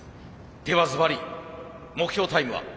ではずばり目標タイムは？